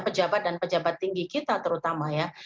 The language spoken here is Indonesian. pejabat dan pejabat tinggi kita terutama ya